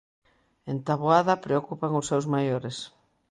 En Taboada preocupan os seus maiores.